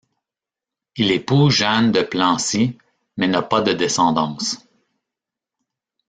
Il épouse Jeanne de Plancy mais n'a pas de descendance.